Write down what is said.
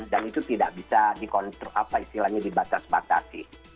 dan itu tidak bisa dikontrol apa istilahnya dibatas batas